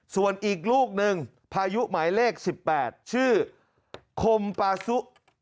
ส่วนอีกลูกหนึ่งพายุหมายเลข๑๘ชื่อคมปาซุ